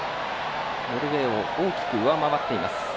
ノルウェーを大きく上回っています。